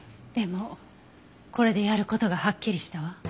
でもこれでやる事がはっきりしたわ。